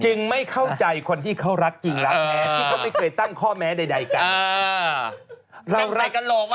ไม่เข้าใจคนที่เขารักจริงรักแท้ที่เขาไม่เคยตั้งข้อแม้ใดกันหรอก